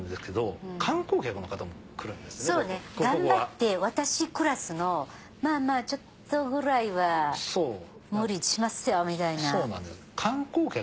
そうね頑張って私クラスのまぁまぁちょっとぐらいは無理しますよみたいな。